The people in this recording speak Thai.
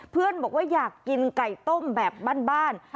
บอกว่าอยากกินไก่ต้มแบบบ้าน